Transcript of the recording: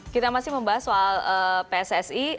kita masih membahas soal pssi